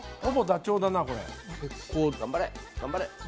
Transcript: ほぼダチョウだなこれ。